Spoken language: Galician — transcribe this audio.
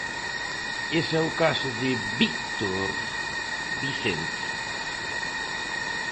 Ese e o caso de Victor Vicente.